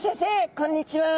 こんにちは。